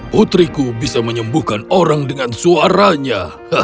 putriku bisa menyembuhkan orang dengan suaranya